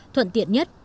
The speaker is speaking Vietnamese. thuận tiện nhất